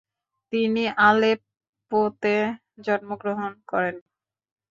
তিনি আলেপ্পোতে জন্মগ্রহণ করেন।